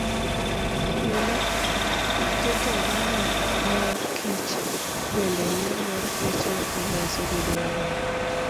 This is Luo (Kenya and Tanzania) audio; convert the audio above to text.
Yo ma iketogo mor kich bende miyo mor kich ma iloso bedo maber.